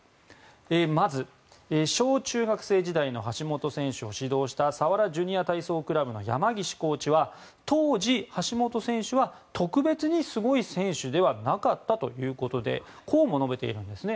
まず、小中学生時代の橋本選手を指導した佐原ジュニア体操クラブの山岸コーチは当時、橋本選手は特別にすごい選手ではなかったということでこうも述べているんですね。